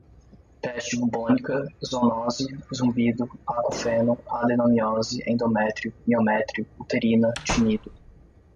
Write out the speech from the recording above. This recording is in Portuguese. peste bubônica, zoonose, zumbido, acufeno, adenomiose, endométrio, miométrio, uterina, tinido